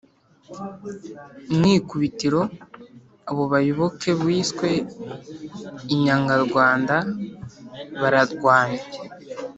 mw'ikubitiro, abo bayoboke biswe "inyangarwanda" bararwanywa.